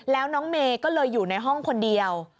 แล้วน้องเมย์ก็เลยอยู่ในห้องคนเดียว